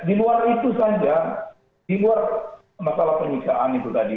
di luar itu saja di luar masalah penyiksaan itu tadi